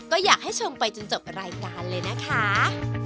ก็อยากให้ชมไปจนจบรายการเลยนะคะ